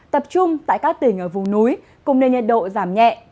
tập trung tại các tỉnh ở vùng núi cùng nền nhiệt độ giảm nhẹ